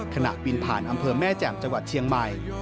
ขณะบินผ่านอำเภอแม่แจ่มจังหวัดเชียงใหม่